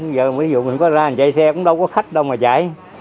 giờ ví dụ mình có ra anh chạy xe cũng đâu có khách đâu mà chạy